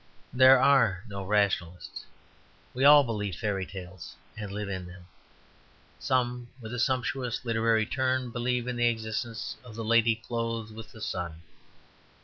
There are no rationalists. We all believe fairy tales, and live in them. Some, with a sumptuous literary turn, believe in the existence of the lady clothed with the sun.